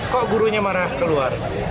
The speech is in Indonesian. kok gurunya marah keluar